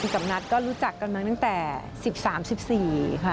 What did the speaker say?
กับนัทก็รู้จักกันมาตั้งแต่๑๓๑๔ค่ะ